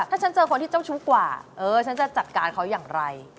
ถ้าฉันเจอคนที่เจ้าชู้กว่าเออฉันจะจัดการเขาอย่างไร